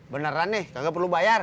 beneran nih kagak perlu bayar